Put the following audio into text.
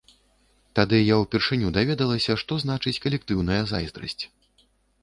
Тады я ўпершыню даведалася, што значыць калектыўная зайздрасць.